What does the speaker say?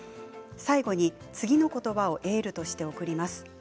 最後に次の言葉をエールとして贈ります。